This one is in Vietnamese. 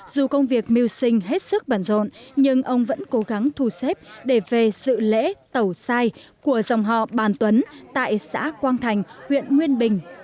dù công việc mưu sinh hết sức bận rộn nhưng ông vẫn cố gắng thu xếp để về sự lễ tẩu sai của dòng họ bàn tuấn tại xã quang thành huyện nguyên bình